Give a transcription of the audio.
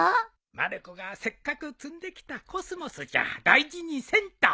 まる子がせっかく摘んできたコスモスじゃ大事にせんと。